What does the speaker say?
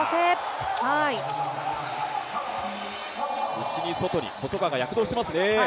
内に外に、細川が躍動してますね。